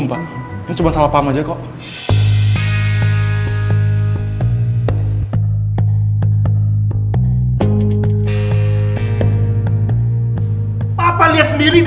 bang cukadee itu